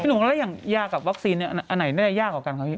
พี่หนูแล้วอย่างยากกับวัคซีนอันไหนได้ยากกว่ากันครับพี่